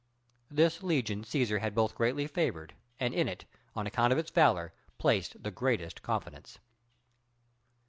This legion Cæsar had both greatly favored, and in it, on account of its valor, placed the greatest confidence.